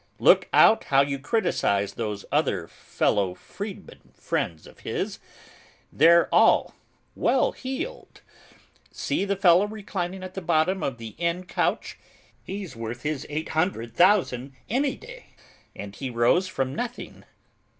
Look out how you criticise those other fellow freedmen friends of his, they're all well heeled. See the fellow reclining at the bottom of the end couch? He's worth his 800,000 any day, and he rose from nothing.